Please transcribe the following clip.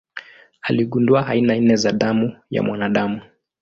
Aligundua aina nne za damu ya mwanadamu.